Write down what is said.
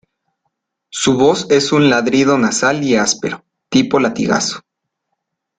Su voz es un ladrido nasal y áspero, tipo latigazo.